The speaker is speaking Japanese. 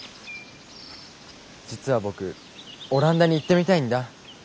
実は僕オランダに行ってみたいんだ。